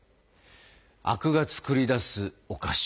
灰汁が作り出すお菓子